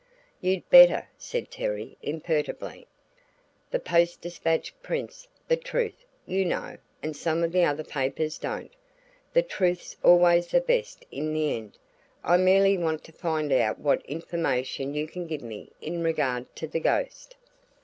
"You'd better," said Terry, imperturbably. "The Post Dispatch prints the truth, you know, and some of the other papers don't. The truth's always the best in the end. I merely want to find out what information you can give me in regard to the ghost."